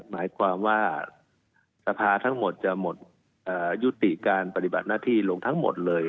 หมายความว่าสภาทั้งหมดจะหมดยุติการปฏิบัติหน้าที่ลงทั้งหมดเลย